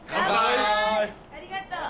ありがとう。